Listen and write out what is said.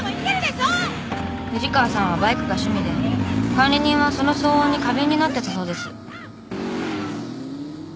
藤川さんはバイクが趣味で管理人はその騒音に過敏になってたそうです。